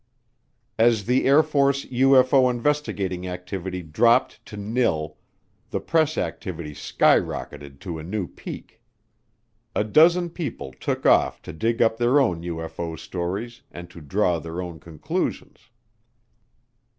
As the Air Force UFO investigating activity dropped to nil, the press activity skyrocketed to a new peak. A dozen people took off to dig up their own UFO stories and to draw their own conclusions.